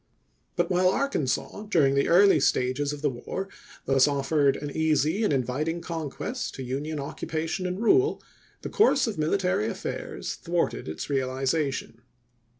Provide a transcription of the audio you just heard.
But while Arkansas, during the early stages of the war, thus offered an easy and inviting conquest to Union occupation and rule, the course of mili tary affairs thwarted its realization.